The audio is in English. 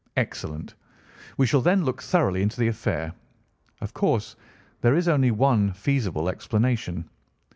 "Excellent! We shall then look thoroughly into the affair. Of course there is only one feasible explanation.